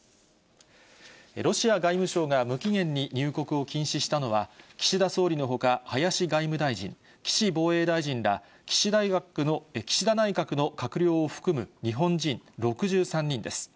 ロシア外務省が無期限に入国を禁止したのは、岸田総理のほか、林外務大臣、岸防衛大臣ら、岸田内閣の閣僚を含む日本人６３人です。